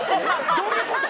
どういうこと？